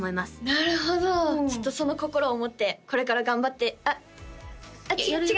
なるほどちょっとその心を持ってこれから頑張ってあっえっやる予定？